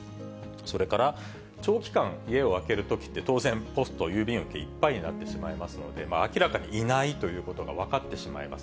それから長期間、家を空けるときって、当然ポスト、郵便受けいっぱいになってしまいますので、明らかにいないということが分かってしまいます。